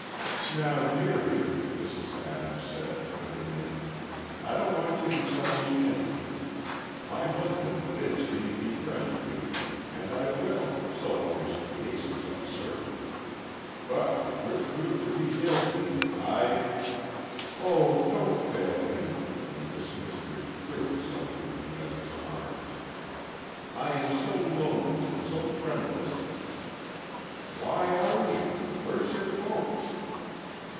"Now, dearie," Mrs. Adams said, coming in, "I don't want you to tell me anything. My husband bids me befriend you—and I will, so long as your case is uncertain. But if you're proved to be guilty, I—" "Oh, don't fail me," and Miss Mystery threw herself into the other's arms. "I am so lonely and so friendless—" "Why are you? Where's your folks?"